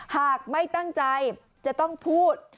หากไม่ตั้งใจจะต้องพูด